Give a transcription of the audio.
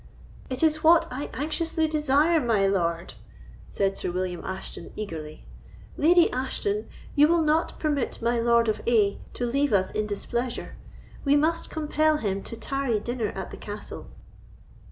"It is what I anxiously desire, my lord," said Sir William Ashton, eagerly. "Lady Ashton, we will not permit my Lord of A—— to leave us in displeasure. We must compel him to tarry dinner at the castle."